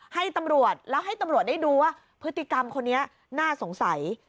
ให้ตำรวจแล้วให้ตำรวจได้ดูว่าพฤติกรรมคนนี้น่าสงสัย